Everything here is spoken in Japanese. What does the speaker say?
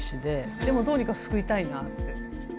でも、どうにか救いたいなって。